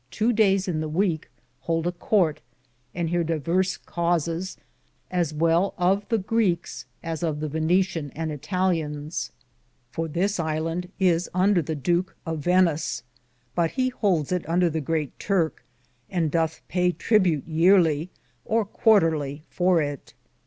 19 dothe tow dayes in the weeke hould a courte, and heare diverse causes, as well of the Grekes as of the Venition and ItaHans ; for this ilande is under the Ducke of Venis, but he houldes it under the greate Turke, and Dothe paye tribute yearlye or quarterly for it.